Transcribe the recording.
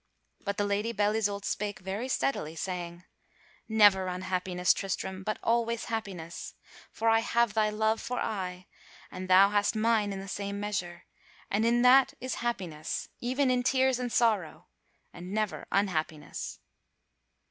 But the Lady Belle Isoult spake very steadily, saying: "Never unhappiness, Tristram, but always happiness; for I have thy love for aye, and thou hast mine in the same measure, and in that is happiness, even in tears and sorrow, and never unhappiness."